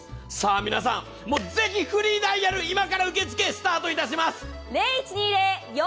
ぜひフリーダイヤル、今から受け付けスタートします。